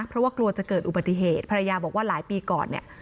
เพราะว่ากลัวจะเกิดอุบัติเหตุภรรยาบอกว่าหลายปีก่อนเนี่ย